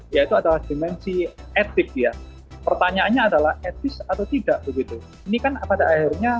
yaitu adalah dimensi etik ya pertanyaannya adalah etis atau tidak begitu ini kan pada akhirnya